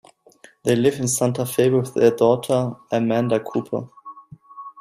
They live in Santa Fe with their daughter, Amanda Cooper.